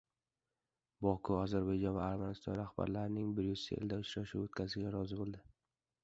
Boku Ozarboyjon va Armaniston rahbarlarining Bryusselda uchrashuv o‘tkazishiga rozi bo‘ldi